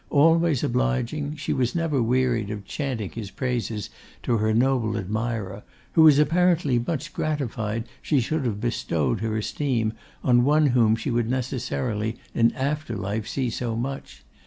Always obliging, she was never wearied of chanting his praises to her noble admirer, who was apparently much gratified she should have bestowed her esteem on one of whom she would necessarily in after life see so much.